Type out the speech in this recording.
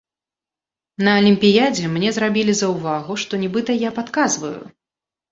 На алімпіядзе мне зрабілі заўвагу, што нібыта я падказваю.